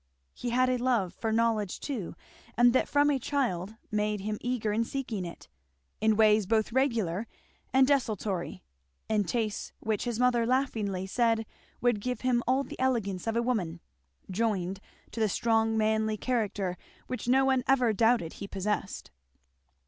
He had a love for knowledge too, that from a child made him eager in seeking it, in ways both regular and desultory; and tastes which his mother laughingly said would give him all the elegance of a woman, joined to the strong manly character which no one ever doubted he possessed.